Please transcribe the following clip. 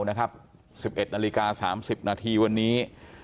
๑๑นาฬิกา๓๐นาทีวันนี้